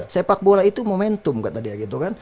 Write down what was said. sepak bola itu momentum kata dl piero